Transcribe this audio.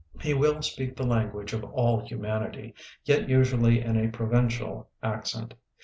He will speak the language of all human ity, yet usually in a provincial accent.